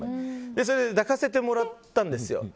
それで抱かせてもらったんですよ。